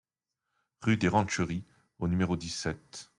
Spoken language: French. Rue des Rancheries au numéro dix-sept